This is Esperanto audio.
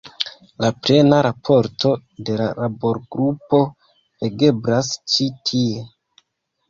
La plena raporto de la laborgrupo legeblas ĉi tie.